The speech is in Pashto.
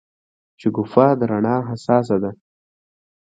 شګوفه د رڼا حساسه ده.